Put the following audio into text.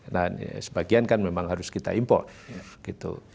nah sebagian kan memang harus kita import